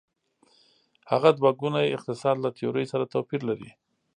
هغه دوه ګونی اقتصاد له تیورۍ سره توپیر لري.